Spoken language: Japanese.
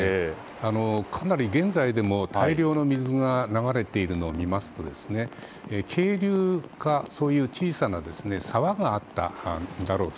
かなり現在でも大量の水が流れているのを見ますと渓流か小さな沢があったんだろうと。